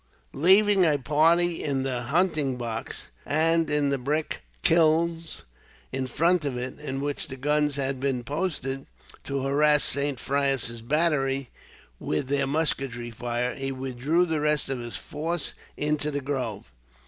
Leaving a party in the hunting box, and in the brick kilns in front of it, in which the guns had been posted, to harass Saint Frais' battery with their musketry fire, he withdrew the rest of his force into the grove.